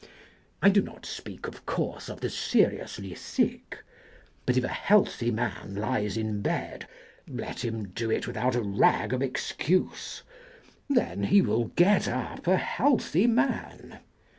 I do not speak, of course, of the seriously sick. But if a healthy man lies in bed, let him do it without a rag of excuse ; then he will get up a healthy man.